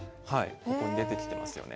ここに出てきてますよね。